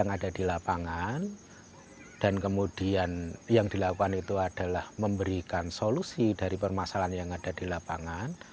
yang ada di lapangan dan kemudian yang dilakukan itu adalah memberikan solusi dari permasalahan yang ada di lapangan